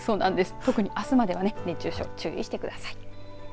特にあすまでは熱中症に注意してください。